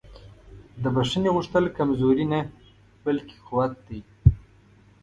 د بښنې غوښتل کمزوري نه بلکې قوت دی.